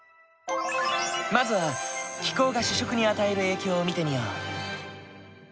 まずは気候が主食に与える影響を見てみよう。